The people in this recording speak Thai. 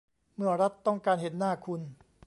เมื่อรัฐต้องการเห็นหน้าคุณ